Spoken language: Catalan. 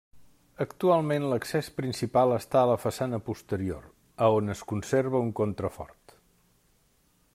Actualment l'accés principal està a la façana posterior, a on es conserva un contrafort.